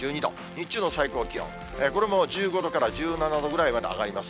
日中の最高気温、これも１５度から１７度ぐらいまで上がります。